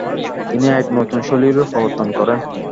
তিনি এক নতুন শৈলীর প্রবর্তন করেন।